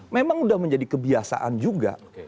memang sudah menjadi kebiasaan juga